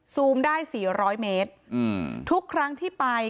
ได้สี่ร้อยเมตรอืมทุกครั้งที่ไป